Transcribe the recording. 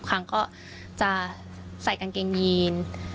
ครั้งก็จะใส่กางเกงยีน